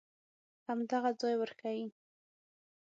همدغه ځای ورښیې.